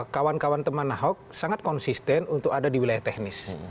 kawan kawan teman ahok sangat konsisten untuk ada di wilayah teknis